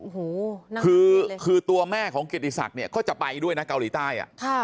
โอ้โหคือตัวแม่ของเกียรติศักดิ์เนี่ยก็จะไปด้วยนะเกาหลีใต้